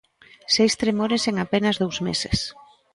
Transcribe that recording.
Seis tremores en apenas dous meses.